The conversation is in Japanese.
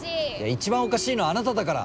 一番おかしいのはあなただから！